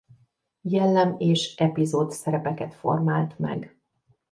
Jellem- és epizódszerepeket formált meg.